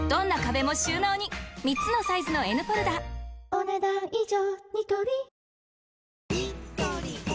お、ねだん以上。